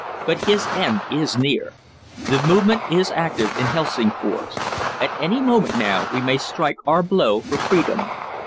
"But his end is near. The Movement is active in Helsingfors. At any moment now we may strike our blow for freedom."